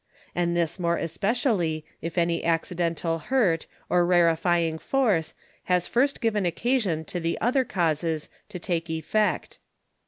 And this more especially, if any accidental hurt, or rarefying Force has first given occasion to the other Causes to take effect.